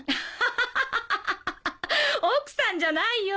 ハハハ奥さんじゃないよ。